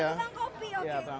kayaknya lebih enak di sini